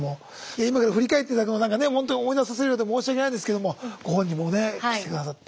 今から振り返って頂くのもほんと思い出させるようで申し訳ないんですけどもご本人もね来て下さって。